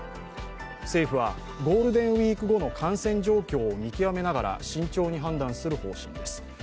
政府はゴールデンウイーク後の感染状況を見極めながら慎重に判断する方針です。